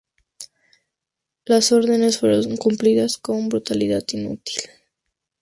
Las órdenes fueron cumplidas con brutalidad inútil.